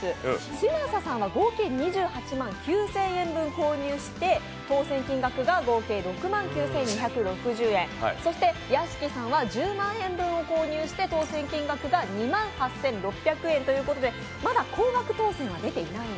嶋佐さんは合計２８万９０００分購入して、当選金額は６万９２６０円、そして屋敷さんは１０万円分を購入して当せん金額が２万８６００円ということでまだ高額当せんは出ていません。